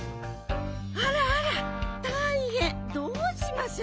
あらあらたいへんどうしましょ？